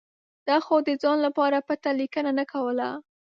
ده خو د ځان لپاره پټه لیکنه نه کوله.